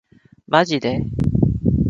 マジで